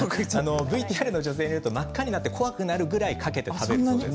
ＶＴＲの女性は真っ赤になって怖くなるくらいとうがらしをかけて食べるそうです。